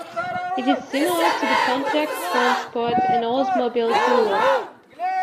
It is similar to the Pontiac Trans Sport and Oldsmobile Silhouette.